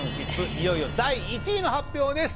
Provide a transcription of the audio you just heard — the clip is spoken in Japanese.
いよいよ第１位の発表です